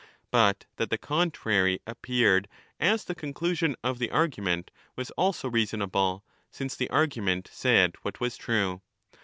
But that the contrary appeared as the conclusion of the argument was also reason able, since the argument said what was true.